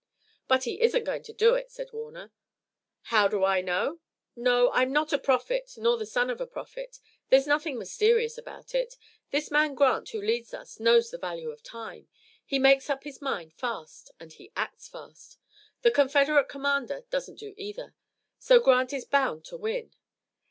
"But he isn't going to do it," said Warner. "How do I know? No, I'm not a prophet nor the son of a prophet. There's nothing mysterious about it. This man Grant who leads us knows the value of time. He makes up his mind fast and he acts fast. The Confederate commander doesn't do either. So Grant is bound to win.